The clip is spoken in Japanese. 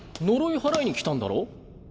呪い祓いに来たんだろ？